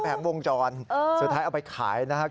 แล้วก็แบกวงจรสุดท้ายเอาไปขาย